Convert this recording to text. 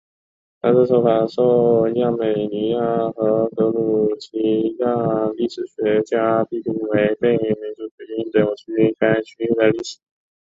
但这说法受亚美尼亚和格鲁吉亚历史学家批评为被民族主义的扭曲该区域的历史。